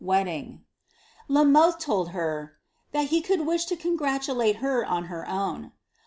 wedding." La Mothe told her, ^ that he could wish to congratulate her on her own."